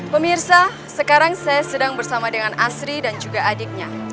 pemirsa sekarang saya sedang bersama dengan asri dan juga adiknya